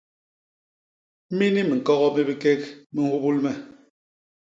Mini miñkogo mi bikék mi nhubul me.